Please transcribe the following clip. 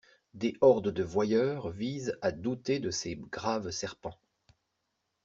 Des hordes de voyeurs visent à douter de ces graves serpents.